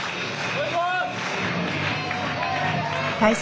お願いします！